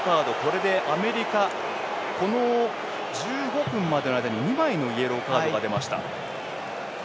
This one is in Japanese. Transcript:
これでアメリカこの１５分までの間に２枚のイエローカードが出ました。